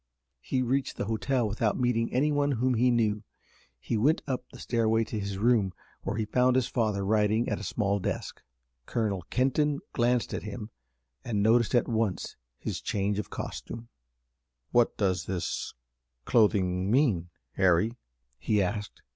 He reached the hotel without meeting any one whom he knew, and went up the stairway to his room, where he found his father writing at a small desk. Colonel Kenton glanced at him, and noticed at once his change of costume. "What does that clothing mean, Harry?" he asked.